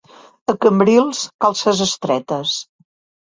A Cambrils, calces estretes.